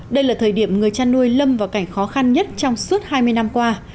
đây là thời điểm người chăn nuôi lâm vào cảnh khó khăn nhất trong suốt hai mươi năm qua